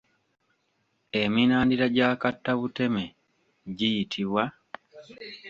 Emirandira gya kattabuteme giyitibwa?